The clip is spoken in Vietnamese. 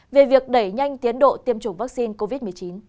về việc đẩy nhanh tiến độ tiêm chủng vaccine covid một mươi chín